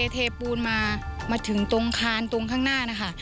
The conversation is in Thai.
เทปูนมามาถึงตรงคานตรงข้างหน้านะคะ